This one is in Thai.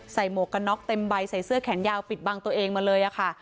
หมวกกันน็อกเต็มใบใส่เสื้อแขนยาวปิดบังตัวเองมาเลยค่ะ